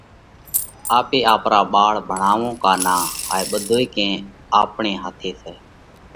آپي آپرا ٻاۯ ڀڻاوونه ڪا نان، هائي ٻڌوئي ڪئين آپڻي هاٿي سئہ۔